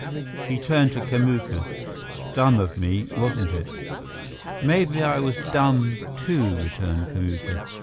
He turned to Kamuka. "Dumb of me, wasn't it?" "Maybe I was dumb, too," returned Kamuka.